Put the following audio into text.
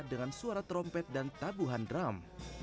dengan suara trompet dan tabuhan drum